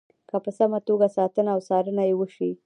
که په سمه توګه ساتنه او څارنه یې وشي.